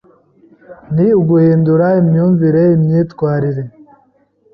ni uguhindura imyumvire, imyitwarire